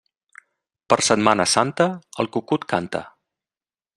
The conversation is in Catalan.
Per Setmana Santa, el cucut canta.